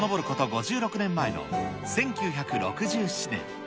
５６年前の１９６７年。